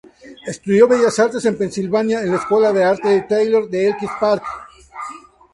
Estudió Bellas Artes en Pensilvania, en la escuela de arte Tyler de Elkins Park.